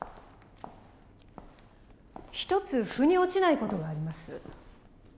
一つ腑に落ちない事があります。